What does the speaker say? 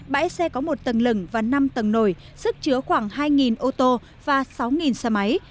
bãi xe có một tầng lừng và năm tầng nổi sức chứa khoảng hai ô tô và sáu xe máy